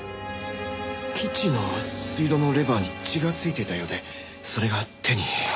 キッチンの水道のレバーに血がついていたようでそれが手に。